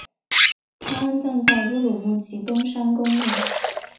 他安葬在乌鲁木齐东山公墓。